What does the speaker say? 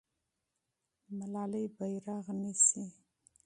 ملالۍ بیرغ نیسي.